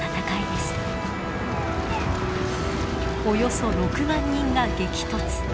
およそ６万人が激突。